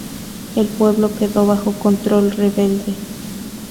El pueblo quedó bajo control rebelde.